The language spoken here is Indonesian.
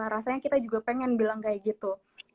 rasanya kita juga pengen bilang kayak gitu